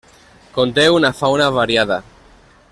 Conté una fauna variada.